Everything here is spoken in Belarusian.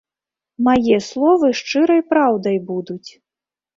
Мае словы шчырай праўдай будуць.